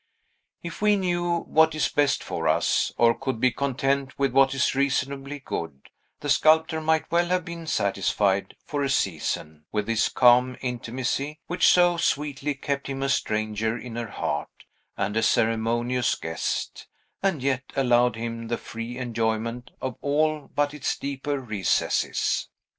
If we knew what is best for us, or could be content with what is reasonably good, the sculptor might well have been satisfied, for a season, with this calm intimacy, which so sweetly kept him a stranger in her heart, and a ceremonious guest; and yet allowed him the free enjoyment of all but its deeper recesses.